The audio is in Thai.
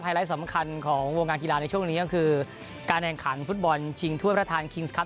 ไลท์สำคัญของวงการกีฬาในช่วงนี้ก็คือการแข่งขันฟุตบอลชิงถ้วยประธานคิงส์ครับ